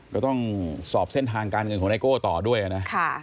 ก็ต้องสอบเส้นทางการเงินของไนโก้ต่อด้วยนะ